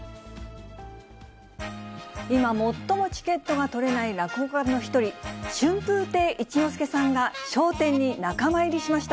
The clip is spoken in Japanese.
今、最もチケットが取れない落語家の一人、春風亭一之輔さんが、笑点に仲間入りしました。